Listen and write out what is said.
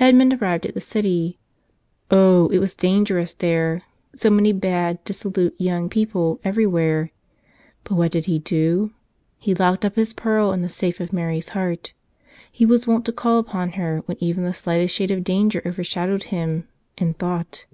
Edmund arrived at the city. Oh, it was dangerous there: so many bad, dissolute young people every¬ where! But what did he do? He locked up his pearl in the safe of Mary's heart. He was wont to call upon her when even the slightest shade of danger overshad¬ owed him — in thought.